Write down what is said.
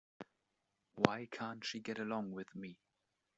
Why can't she get along with me?